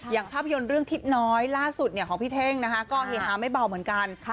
ภาพยนตร์เรื่องทิศน้อยล่าสุดของพี่เท่งนะคะก็เฮฮาไม่เบาเหมือนกัน